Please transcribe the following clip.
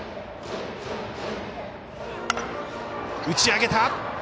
打ち上げた。